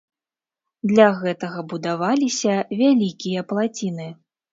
Для гэтага будаваліся вялікія плаціны.